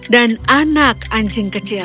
dan anak anjing kecil